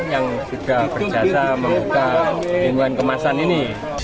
yang sudah berjasa membuka hinduan kemasan ini